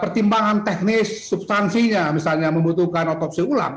pertimbangan teknis substansinya misalnya membutuhkan otopsi ulang